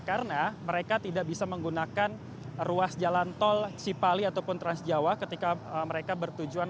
karena mereka tidak bisa menggunakan ruas jalan tol cipali ataupun transjawa ketika mereka bertujuan